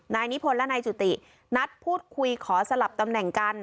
นายนิพนธ์และนายจุตินัดพูดคุยขอสลับตำแหน่งกัน